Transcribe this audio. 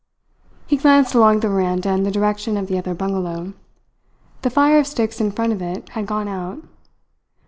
He glanced along the veranda in the direction of the other bungalow. The fire of sticks in front of it had gone out.